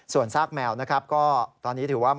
ส่วนซากแมวนะครับก็ตอนนี้ถือว่า